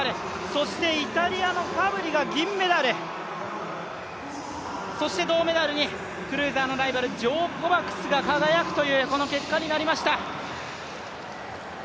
そしてイタリアのファブリが銀メダル、そして銅メダルにクルーザーのライバル、ジョー・コバクスが輝くという結果になりました。